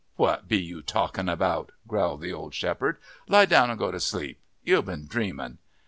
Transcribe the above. "What be you talking about?" growled the old shepherd. "Lie down and go to sleep you've been dreaming."